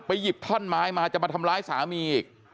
หยิบท่อนไม้มาจะมาทำร้ายสามีอีก